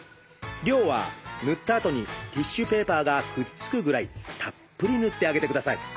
量は塗ったあとにティッシュペーパーがくっつくぐらいたっぷり塗ってあげてください。